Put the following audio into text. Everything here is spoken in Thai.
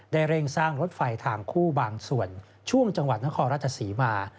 เร่งสร้างรถไฟทางคู่บางส่วนช่วงจังหวัดนครราชศรีมา